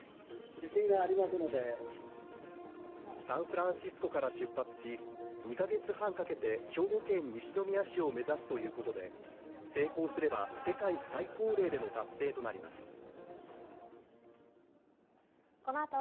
サンフランシスコから出発し兵庫県西宮市を目指すということで成功すれば、世界最高齢での達成となります。